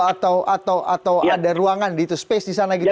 atau ada ruangan gitu space di sana gitu